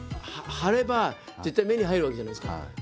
貼れば絶対目に入るわけじゃないですか。